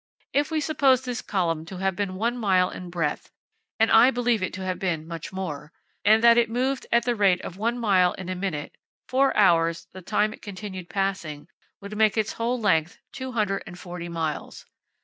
If we suppose this column to have been one mile in breadth (and I believe it to have been much more) and that it moved at the rate of one mile in a minute, four hours, the time it continued passing, would make its whole length two hundred and forty miles.